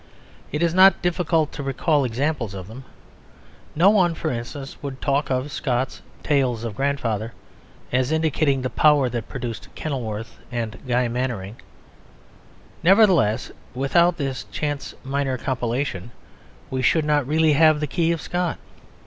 It is not difficult to recall examples of them. No one, for instance, would talk of Scott's Tales of a Grandfather as indicating the power that produced Kenilworth and Guy Mannering. Nevertheless, without this chance minor compilation we should not really have the key of Scott.